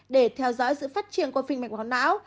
để theo dõi sự phát triển của phình mạch máu não